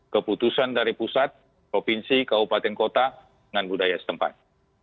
keputusan dari pusat provinsi kabupaten kota dengan budaya setempat